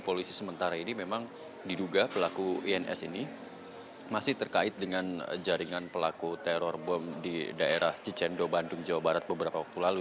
polisi sementara ini memang diduga pelaku ins ini masih terkait dengan jaringan pelaku teror bom di daerah cicendo bandung jawa barat beberapa waktu lalu